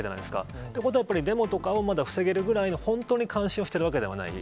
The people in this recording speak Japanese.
ってことは、デモとかをまだ防げるぐらいの本当の監視をしてるわけではない。